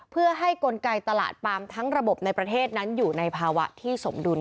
เพื่อให้กลไกตลาดปาล์มทั้งระบบในประเทศนั้นอยู่ในภาวะที่สมดุล